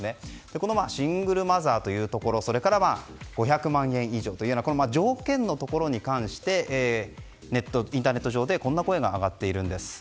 このシングルマザーというところそれから５００万円以上という条件のところに関してインターネット上でこんな声が上がっているんです。